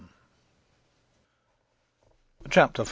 CHAPTER V.